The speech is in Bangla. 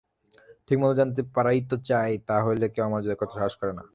ঠিকমত জানতে পারাই তো চাই, তা হলে কেউ অমর্যাদা করতে সাহস করে না।